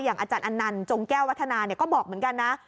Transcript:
อาจารย์อันนันต์จงแก้ววัฒนาก็บอกเหมือนกันนะ